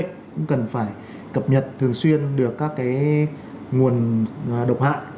cũng cần phải cập nhật thường xuyên được các nguồn độc hại